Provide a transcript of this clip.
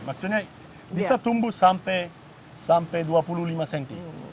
maksudnya bisa tumbuh sampai dua puluh lima cm